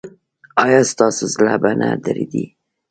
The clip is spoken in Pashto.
ایا ستاسو زړه به نه دریدي؟